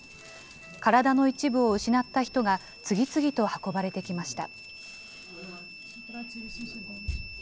体の一部を失った人が、次々と運ばれてきました。